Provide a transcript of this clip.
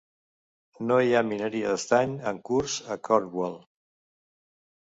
No hi ha mineria d'estany en curs a Cornwall.